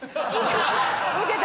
ウケた！